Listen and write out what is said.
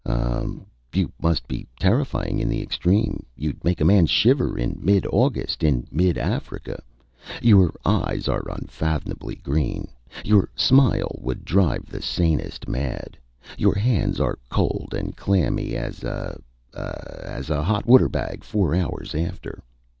Um! You must be terrifying in the extreme you'd make a man shiver in mid August in mid Africa. Your eyes are unfathomably green. Your smile would drive the sanest mad. Your hands are cold and clammy as a ah as a hot water bag four hours after."